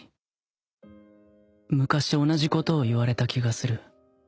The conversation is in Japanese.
昔同じことを言われた気がする